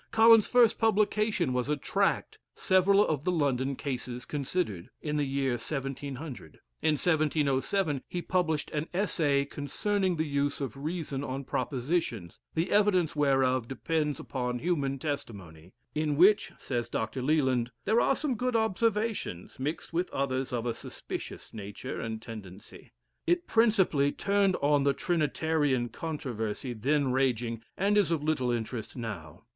Collins's first publication was a tract, "Several of the London Cases Considered," in the year 1700. In 1707, he published an "Essay Concerning the Use of Reason on Propositions, the evidence whereof depends upon Human Testimony;" "in which," says Dr. Leland, "there are some good observations, mixed with others of a suspicious nature and tendency." It principally turned on the Trinitarian controversy then raging, and is of little interest now.